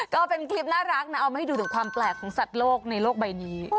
ก็เป็นคลิปน่ารักนะเอามาให้ดูถึงความแปลกของสัตว์โลกในโลกใบนี้